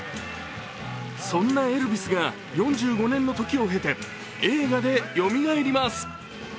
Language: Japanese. そんなエルヴィスが４５年の時を経て映画でよみがえります。